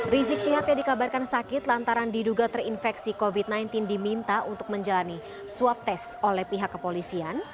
rizik syihab yang dikabarkan sakit lantaran diduga terinfeksi covid sembilan belas diminta untuk menjalani swab tes oleh pihak kepolisian